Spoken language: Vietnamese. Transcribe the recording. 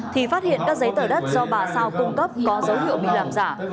thì phát hiện các giấy tờ đất do bà sao cung cấp có dấu hiệu bị làm giả